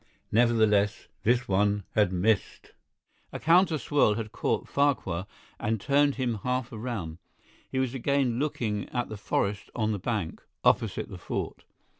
Nevertheless, this one had missed. A counter swirl had caught Farquhar and turned him half round; he was again looking at the forest on the bank opposite the fort.